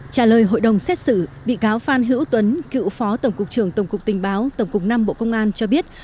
trả lời hội đồng xét xử bị cáo phan hữu tuấn cựu phó tổng cục trưởng tổng cục tình báo tổng cục v bộ công an cho biết